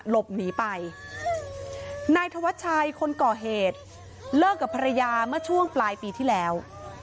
หลบหนีไปนายธวัชชัยคนก่อเหตุเลิกกับภรรยาเมื่อช่วงปลายปีที่แล้ว